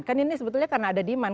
kan ini sebetulnya karena ada demand